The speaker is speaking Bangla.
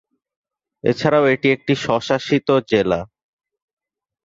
এছাড়াও এটি একটি স্বশাসিত জেলা।